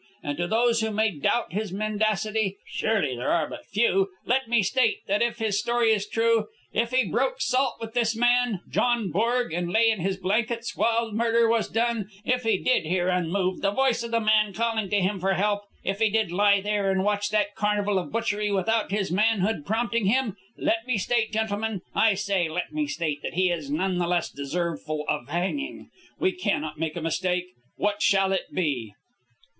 And to those who may doubt his mendacity, surely there are but few, let me state, that if his story is true; if he broke salt with this man, John Borg, and lay in his blankets while murder was done; if he did hear, unmoved, the voice of the man calling to him for help; if he did lie there and watch that carnival of butchery without his manhood prompting him, let me state, gentlemen, I say, let me state that he is none the less deserveful of hanging. We cannot make a mistake. What shall it be?"